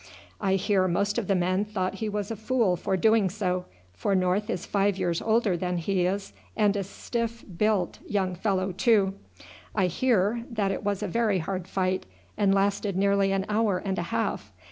I hear most of the men thought he was a fool for doing so, for North is five years older than he is, and a stiff built young fellow too. I hear that it was a very hard fight, and lasted nearly an hour and a half.